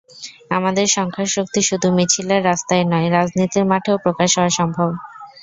আমাদের সংখ্যার শক্তি শুধু মিছিলের রাস্তায় নয়, রাজনীতির মাঠেও প্রকাশ হওয়া সম্ভব।